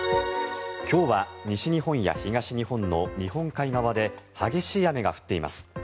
今日は西日本や東日本の日本海側で激しい雨が降っています。